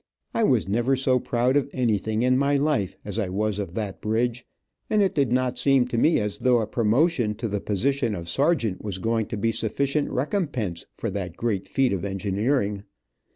I was never so proud of anything in my life, as I was of that bridge, and it did not seem to me as though a promotion to the position of sergeant was going to be sufficient recompense for that great feat of engineering.